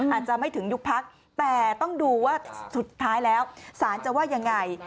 อาจจะไม่ถึงยุคพักแต่ต้องดูว่าสุดท้ายแล้วศาลจะว่ายังไง